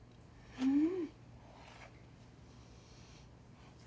うん！